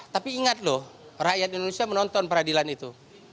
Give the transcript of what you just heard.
tapi ingat loh rakyat indonesia menonton peradilan itu